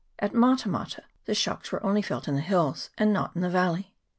In Mata mata the shocks were only felt in the hills, and not in the valley.